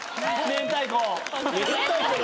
明太子。